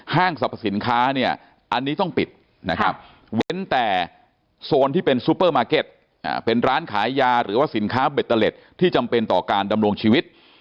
สรรพสินค้าเนี่ยอันนี้ต้องปิดนะครับเว้นแต่โซนที่เป็นซูเปอร์มาร์เก็ตเป็นร้านขายยาหรือว่าสินค้าเบตเตอร์เล็ตที่จำเป็นต่อการดำรงชีวิต